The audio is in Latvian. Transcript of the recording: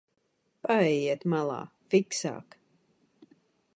Paejiet malā, fiksāk!